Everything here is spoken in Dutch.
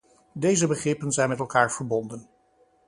Deze begrippen zijn met elkaar verbonden.